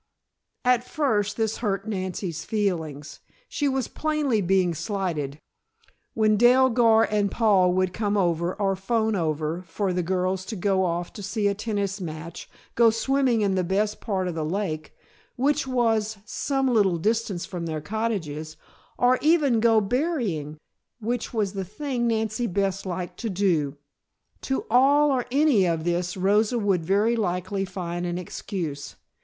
At first this hurt Nancy's feelings. She was plainly being slighted. When Dell, Gar and Paul would come over or phone over for the girls to go off to see a tennis match, go swimming in the best part of the lake, which was some little distance from their cottages, or even go berrying, which was the thing Nancy best liked to do to all or any of this Rosa would very likely find an excuse.